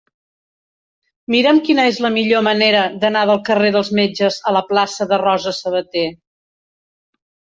Mira'm quina és la millor manera d'anar del carrer dels Metges a la plaça de Rosa Sabater.